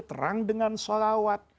terang dengan solawat